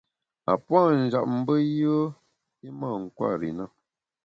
A puâ’ njap mbe yùe i mâ nkwer i na.